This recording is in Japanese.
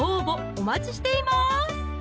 お待ちしています